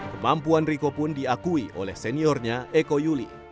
kemampuan rico pun diakui oleh seniornya eko yuli